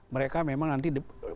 mereka memang nanti